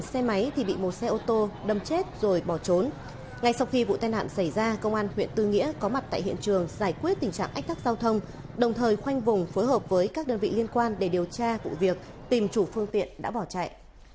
sau khi vụ tai nạn xảy ra công an huyện tư nghĩa có mặt tại hiện trường giải quyết tình trạng ách thác giao thông đồng thời khoanh vùng phối hợp với các đơn vị liên quan để điều tra vụ việc tìm chủ phương tiện đã bỏ chạy